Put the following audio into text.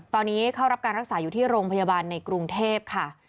ตอนนี้เข้ารับการรักษาอยู่ที่โรงพยาบาลในกรุงเทพค่ะ